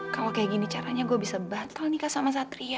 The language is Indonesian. kalau kayak gini caranya gue bisa batal nih kak sama satria